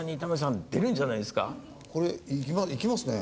これいきますね。